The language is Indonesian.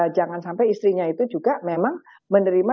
jangan sampai istrinya itu juga memang menerima